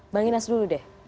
bang inas dulu deh